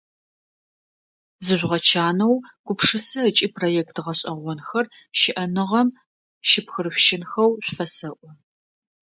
Зыжъугъэчанэу, гупшысэ ыкӏи проект гъэшӏэгъонхэр щыӏэныгъэм щыпхырышъущынхэу шъуфэсэӏо.